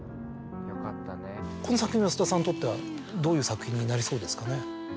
この作品は菅田さんにとってはどういう作品になりそうですかね。